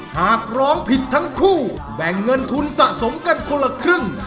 หากร้องผิดทั้งคู่แบ่งเงินทุนสะสมกันคนละครึ่ง